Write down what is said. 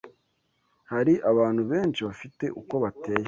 Hari abantu benshi bafite uko bateye